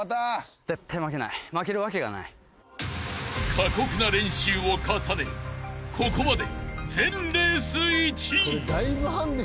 ［過酷な練習を重ねここまで］